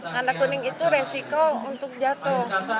tanda kuning itu resiko untuk jatuh